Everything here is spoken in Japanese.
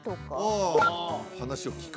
ああ話を聞く